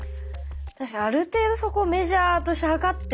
確かにある程度そこをメジャーとして測ってる人が多いから。